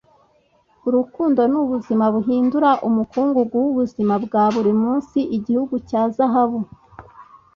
Urukundo ni ubwiza buhindura umukungugu w'ubuzima bwa buri munsi igihu cya zahabu.”